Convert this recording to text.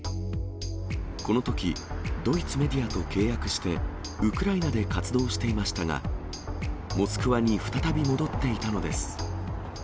このとき、ドイツメディアと契約して、ウクライナで活動していましたが、モスクワに再び戻っていたのです。